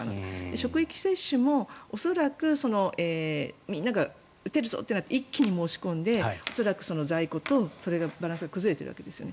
職域接種も恐らくみんなが打てるぞとなって一気に申し込んで恐らく在庫とそのバランスが崩れているわけですよね。